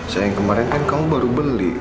sayang kemarin kan kamu baru beli